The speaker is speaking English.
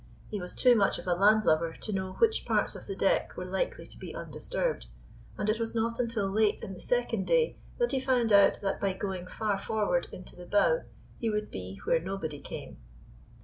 He was too much of a landlubber to know which parts of the deck were likely to be undisturbed, and it was not until late in the second day that he found out that by going far forward into the bow he would be where nobody came.